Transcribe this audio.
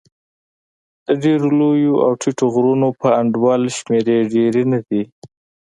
د ډېرو لوړو او ټیټو غرونو په انډول شمېرې ډېرې نه دي.